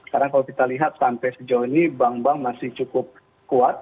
karena kalau kita lihat sampai sejauh ini bank bank masih cukup kuat